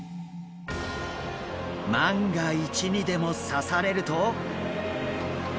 万が一にでも刺されると。